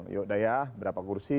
yaudah ya berapa kursi